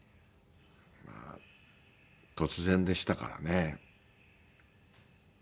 まあ突然でしたからね。